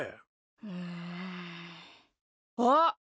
うん。あっ！